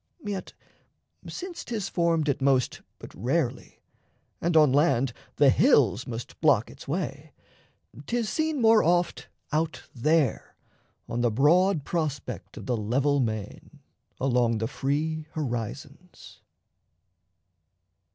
Yet since 'tis formed At most but rarely, and on land the hills Must block its way, 'tis seen more oft out there On the broad prospect of the level main Along the free horizons.